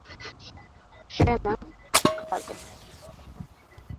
Shina ta kulé